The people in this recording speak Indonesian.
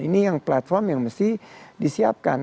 ini yang platform yang mesti disiapkan